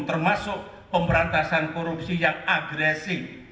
termasuk pemberantasan korupsi yang agresif